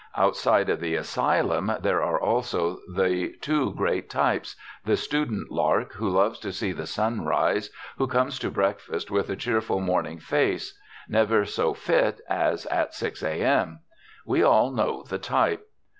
Outside of the asylum there are also the two great types, the student lark who loves to see the sun rise, who comes to breakfast with a cheerful morning face, never so "fit" as at 6 A. M. We all know the type.